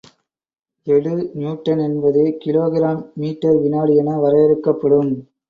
எ டு நியூட்டன் என்பது kilogram metre வினாடி என வரையறுக்கப்படும்.